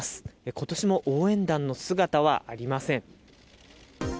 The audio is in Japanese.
ことしも応援団の姿はありません。